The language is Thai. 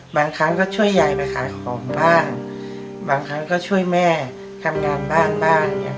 บางครั้งก็ช่วยยายไปขายของบ้างบางครั้งก็ช่วยแม่ทำงานบ้างบ้าง